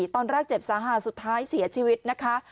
ตอนแรกเจ็บสาหัสสุดท้ายเสียชีวิตนะคะ